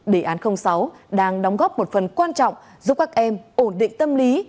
đề án sáu đang đóng góp một phần quan trọng giúp các em ổn định tâm lý